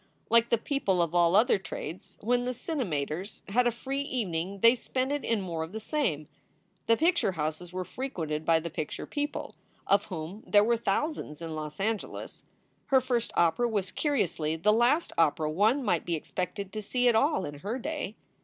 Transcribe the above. Like the people of all other trades, when the cinemators had a free evening they spent it in more of the same. The picture houses were frequented by the picture people of whom there were thousands in Los Angeles. Her first opera was curiously the last opera one might be expected to see at all in her day.